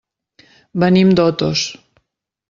Venim d'Otos.